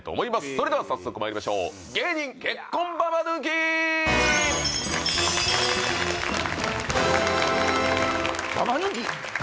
それでは早速まいりましょう芸人結婚ババ抜きババ抜き？